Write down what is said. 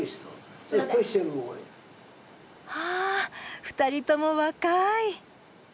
はぁ２人とも若い。